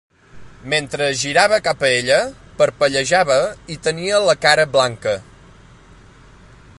Mentre es girava cap a ella, parpellejava i tenia la cara blanca.